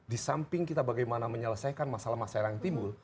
di samping kita bagaimana menyelesaikan masalah masyarakat timbul